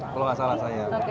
kalau nggak salah saya